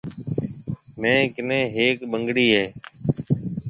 ميه ڪنَي هيَڪ ٻنگڙِي هيَ۔